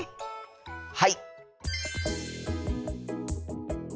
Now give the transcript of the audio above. はい！